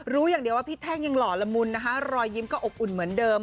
รู้อย่างเดียวว่าพี่แท่งยังหล่อละมุนนะคะรอยยิ้มก็อบอุ่นเหมือนเดิม